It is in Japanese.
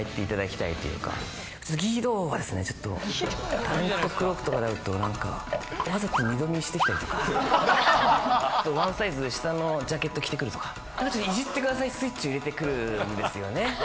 ちょっと義堂はですね、ちょっと、タレントクロークとかで会うと、なんか、わざと二度見してきたりとか、１サイズ下のジャケット着てくるとか、いじってくださいスイッチを入れてくるんですよね。